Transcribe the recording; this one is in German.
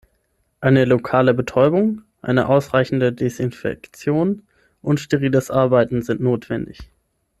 Eine lokale Betäubung, eine ausreichende Desinfektion und steriles Arbeiten sind notwendig.